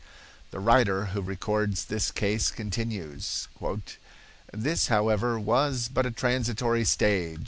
'" The writer who records this case continues: "This, however, was but a transitory stage.